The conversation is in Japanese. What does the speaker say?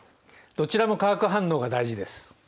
どちらも化学反応が大事です。